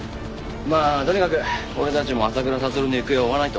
まあとにかく俺たちも浅倉悟の行方を追わないと。